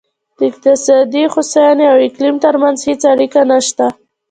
د اقتصادي هوساینې او اقلیم ترمنځ هېڅ اړیکه نشته.